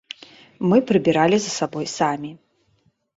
Мы прыбіралі за сабой самі.